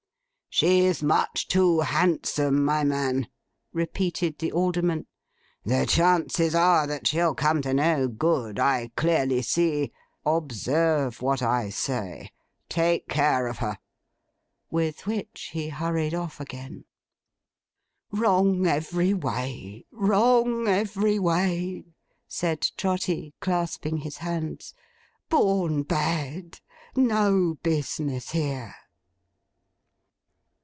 'She's much too handsome, my man,' repeated the Alderman. 'The chances are, that she'll come to no good, I clearly see. Observe what I say. Take care of her!' With which, he hurried off again. 'Wrong every way. Wrong every way!' said Trotty, clasping his hands. 'Born bad. No business here!